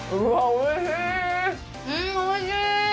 おいしい！